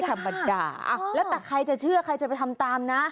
สามงวดนะจ๊ะ